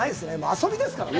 遊びですからね。